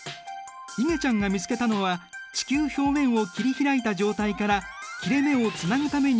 いげちゃんが見つけたのは地球表面を切り開いた状態から切れ目をつなぐために北極と南極を中央に寄せていったもの。